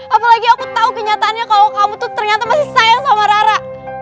apalagi aku tahu kenyataannya kalau kamu tuh ternyata masih sayang sama rara